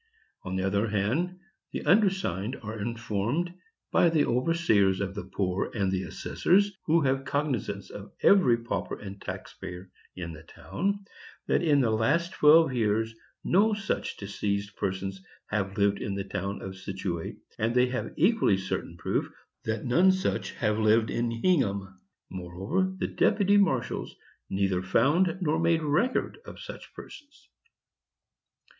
On the other hand, the undersigned are informed, by the overseers of the poor and the assessors, who have cognizance of every pauper and tax payer in the town, that in the last twelve years no such diseased persons have lived in the town of Scituate; and they have equally certain proof that none such have lived in Hingham. Moreover, the deputy marshals neither found nor made record of such persons.